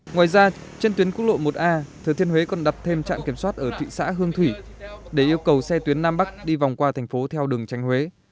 ngoài ra trên tuyến quốc lộ một a thừa thiên huế còn đặt thêm trạm kiểm soát ở thị xã hương thủy để yêu cầu xe tuyến nam bắc đi vòng qua thành phố theo đường tranh huế